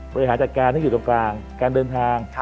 บริหารจัดการให้อยู่ตรงกลางการเดินทาง